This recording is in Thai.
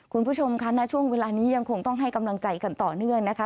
คุณผู้ชมค่ะณช่วงเวลานี้ยังคงต้องให้กำลังใจกันต่อเนื่องนะคะ